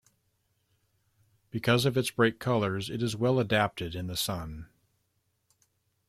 Because of its bright colors, it is well adapted in the sun.